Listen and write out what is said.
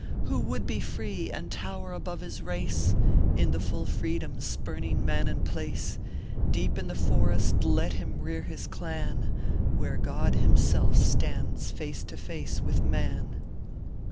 " "Who would be free, and tow r above his race, In the full freedom spurning man and place, Deep iu the forest let him rear his clan Where God himself stands face to face with man."